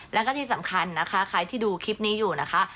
แล้วก็ที่สำคัญนะคะใครที่ดูคลิปนี้อยู่นะคะ